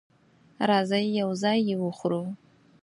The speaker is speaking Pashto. راځئ یو ځای یی وخورو